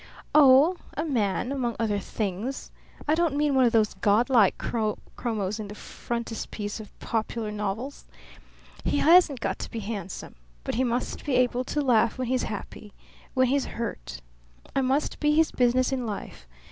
"Oh, a man, among other things. I don't mean one of those godlike chromos in the frontispiece of popular novels. He hasn't got to be handsome. But he must be able to laugh when he's happy, when he's hurt. I must be his business in life.